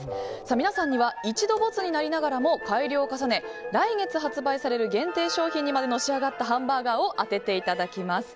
皆さんには一度没になりながらも改良を重ね、来月発売される限定商品までのし上がったハンバーガーを当てていただきます。